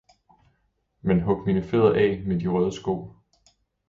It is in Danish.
men hug mine fødder af med de røde sko!